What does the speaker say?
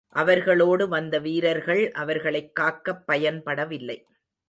அவர்களோடு வந்த வீரர்கள் அவர்களைக் காக்கப் பயன்படவில்லை.